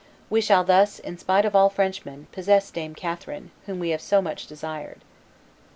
We shall thus, in spite of all Frenchmen, possess Dame Catherine, whom we have so much desired."